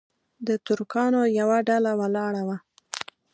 د ترکانو یوه ډله ولاړه وه.